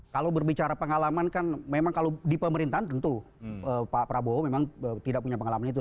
kalau berbicara pengalaman kan memang kalau di pemerintahan tentu pak prabowo memang tidak punya pengalaman itu